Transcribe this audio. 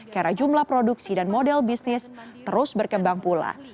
karena jumlah produksi dan model bisnis terus berkembang pula